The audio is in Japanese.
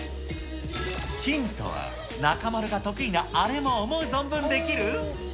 ヒントは、中丸が得意なあれも思う存分できる？